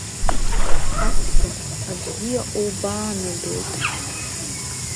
Ацәгьа, абзиа лбаанадоит.